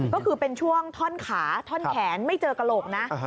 ก็คือเป็นช่วงท่อนขาท่อนแขนไม่เจอกระโหลกนะ